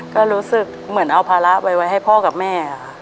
ก็รู้สึกเหมือนเอาภาระไว้ให้พ่อกับแม่ค่ะ